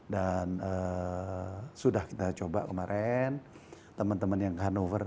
dan sudah kita coba kemarin teman teman yang ke hannover